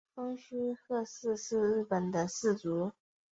蜂须贺氏是日本的氏族。